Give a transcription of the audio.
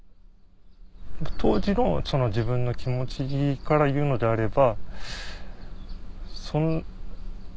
当時の自分の気持ちから言うのであれば。